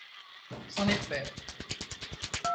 C'en est fait.